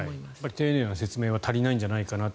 丁寧な説明が足りないんじゃないかなと。